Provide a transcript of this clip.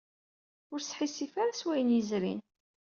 Ur sḥissif ara s wayen yezrin.